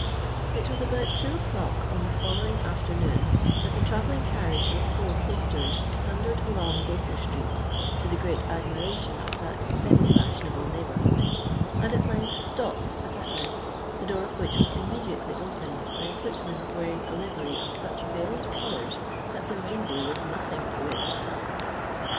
It was about two o'clock on the following afternoon that a travelling carriage with four posters thundered along Baker Street, to the great admiration of that semi fashionable neighbourhood, and at length stopped at a house the door of which was immediately opened by a footman wearing a livery of such varied colours that the rainbow was nothing to it.